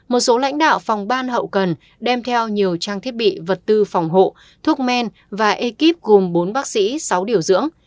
một số lãnh đạo phòng ban hậu cần đem theo nhiều trang thiết bị vật tư phòng hộ thuốc men và ekip gồm bốn bác sĩ sáu điều dưỡng